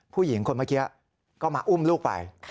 ผู้หญิงคนเมื่อกี้ก็มาอุ้มลูกไป